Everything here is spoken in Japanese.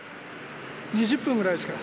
２０分ぐらいですか